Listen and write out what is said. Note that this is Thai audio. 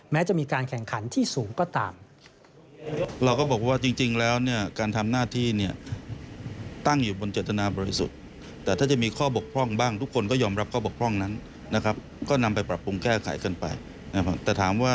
แม้จะมีการแข่งขันที่สูงก็ตาม